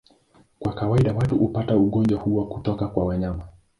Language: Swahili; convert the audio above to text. Kwa kawaida watu hupata ugonjwa huo kutoka kwa wanyama.